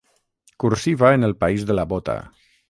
Cursiva en el país de la bota.